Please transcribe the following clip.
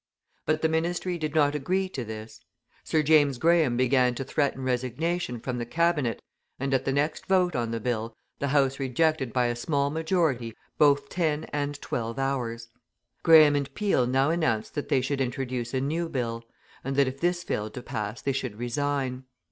But the ministry did not agree to this. Sir James Graham began to threaten resignation from the Cabinet, and at the next vote on the bill the House rejected by a small majority both ten and twelve hours! Graham and Peel now announced that they should introduce a new bill, and that if this failed to pass they should resign.